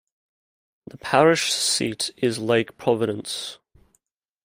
The parish seat is Lake Providence.